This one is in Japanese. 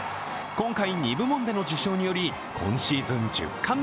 今回２部門での受賞により、今シーズン１０冠目。